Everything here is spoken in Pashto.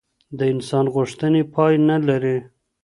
د انسان غوښتنې پای نه لري.